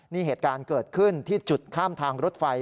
นี่เหตุการณ์เกิดขึ้นที่จุดข้ามทางรถไฟ